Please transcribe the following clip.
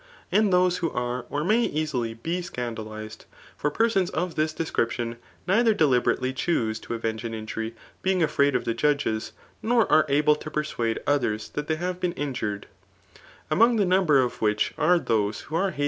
Also those who are or may easily be scanda lized ; for persons of this description, ndther deliberately chuse [to avenge an injury] being afraid of the judges, nor are able to persuade [others that they have been in* jured among the number of which are those who are QHAP* XIII.